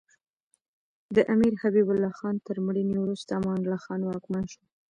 د امیر حبیب الله خان تر مړینې وروسته امان الله خان واکمن شو.